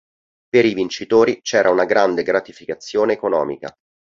Per i vincitori c’era una grande gratificazione economica.